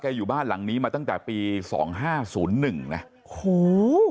แกอยู่บ้านหลังนี้มาตั้งแต่ปี๒๕๐๑นะฮู